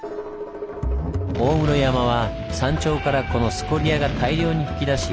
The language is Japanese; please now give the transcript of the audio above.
大室山は山頂からこのスコリアが大量に噴き出し